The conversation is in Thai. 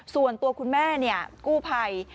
ส่วนตัวคุณแม่กู้ภัย